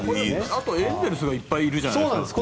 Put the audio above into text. あと、エンゼルスがいっぱいいるじゃないですか。